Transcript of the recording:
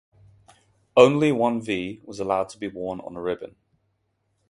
Only one "V" was allowed to be worn on a ribbon.